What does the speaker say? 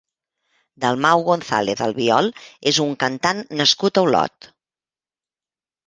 Dalmau González Albiol és un cantant nascut a Olot.